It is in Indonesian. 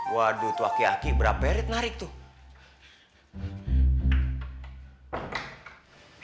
waduh tuh aki aki berapa perid narik tuh